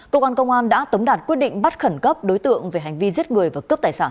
công an công an đã tấm đạt quyết định bắt khẩn cấp đối tượng về hành vi giết người và cướp tài sản